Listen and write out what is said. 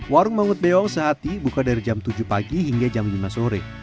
warung mangut beong sehati buka dari jam tujuh pagi hingga jam lima sore